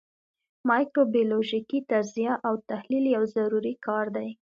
مایکروبیولوژیکي تجزیه او تحلیل یو ضروري کار دی.